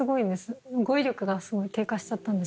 語彙力がすごい低下しちゃったんですけど。